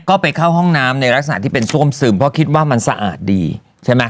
ก็ไปเข้าห้องน้ำในลักษณะที่เป็นซ่วมซึมเพราะคิดว่ามันสะอาดดีใช่ไหม